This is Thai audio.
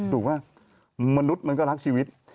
ถูกป่ะมนุษย์มันก็รักชีวิต